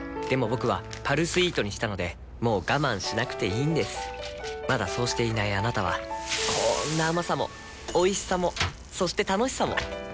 僕は「パルスイート」にしたのでもう我慢しなくていいんですまだそうしていないあなたはこんな甘さもおいしさもそして楽しさもあちっ。